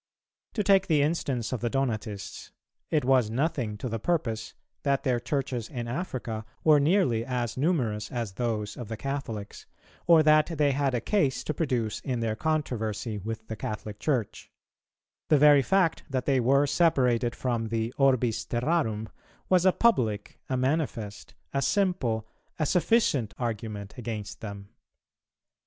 To take the instance of the Donatists: it was nothing to the purpose that their Churches in Africa were nearly as numerous as those of the Catholics, or that they had a case to produce in their controversy with the Catholic Church; the very fact that they were separated from the orbis terrarum was a public, a manifest, a simple, a sufficient argument against them.